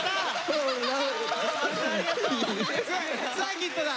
サーキットだ！